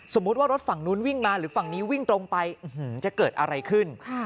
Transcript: สมมุติว่ารถฝั่งนู้นวิ่งมาหรือฝั่งนี้วิ่งตรงไปจะเกิดอะไรขึ้น